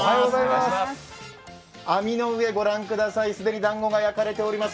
網の上、御覧ください、既にだんごが焼かれております。